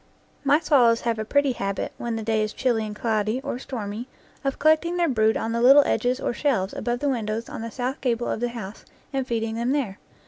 My swallows have a pretty habit, when the day is chilly and cloudy or stormy, of collecting their brood on the little ledges or shelves above the win dows on the south gable of the house and feeding them there.